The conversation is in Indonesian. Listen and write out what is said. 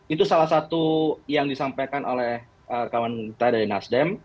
itu salah satu yang disampaikan oleh kawan kita dari nasdem